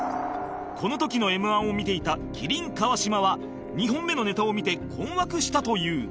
この時の Ｍ−１ を見ていた麒麟川島は２本目のネタを見て困惑したという